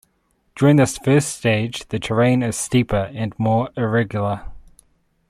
During this first stage, the terrain is steeper and more irregular.